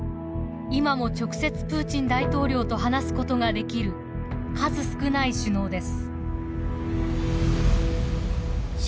今も直接プーチン大統領と話すことができる数少ない首脳です。